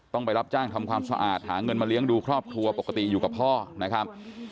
ไปรับจ้างทำความสะอาดหาเงินมาเลี้ยงดูครอบครัวปกติอยู่กับพ่อนะครับ